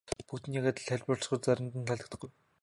Бүгдэд нь яг адил тайлбарлавал заримд нь таалагдахгүй.